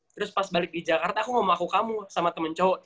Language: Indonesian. terus pas balik di jakarta aku ngomong aku kamu sama temen cowok